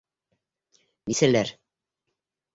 Бисәләр: